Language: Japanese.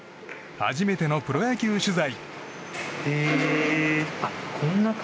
初めてのプロ野球取材。